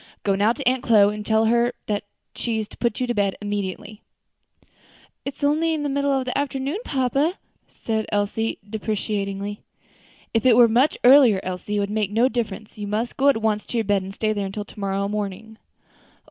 Go now to Aunt Chloe, and tell her from me that she is to put you immediately to bed." "It is only the middle of the afternoon, papa," said Elsie, deprecatingly. "If it were much earlier, Elsie, it would make no difference; you must go at once to your bed, and stay there until to morrow morning."